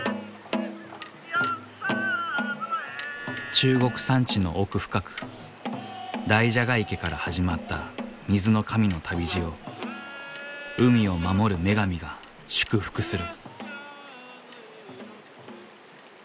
中国山地の奥深く大蛇が池から始まった水の神の旅路を海を守る女神が祝福する。